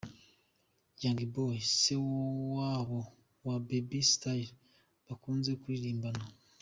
Young Boy, Se wabo wa Baby Style bakunze kuririmbana.